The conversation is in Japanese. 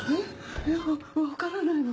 いや分からないの。